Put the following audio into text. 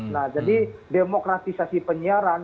nah jadi demokratisasi penyiaran